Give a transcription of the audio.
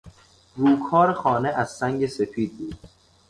روکار خانه از سنگ سپید بود.